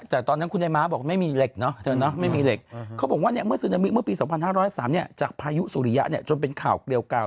แต่ตอนนั้นคุณไอ้ม้าบอกไม่มีเหล็กเนอะเค้าบอกว่าซึนามิเมื่อปี๒๕๐๓จากพายุสุริยะจนเป็นข่าวเกลียวกล่าว